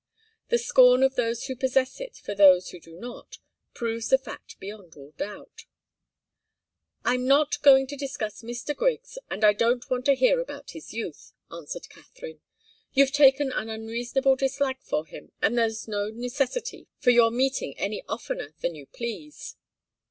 The scorn of those who possess it for those who do not, proves the fact beyond all doubt. "I'm not going to discuss Mr. Griggs, and I don't want to hear about his youth," answered Katharine. "You've taken an unreasonable dislike for him, and there's no necessity for your meeting any oftener than you please."